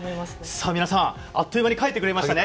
さあ皆さんあっという間に書いてくれましたね。